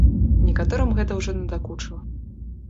Некаторым гэта ўжо надакучыла.